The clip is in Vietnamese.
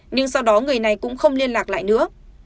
nhưng sau đó người này cũng không liên lạc lại nữa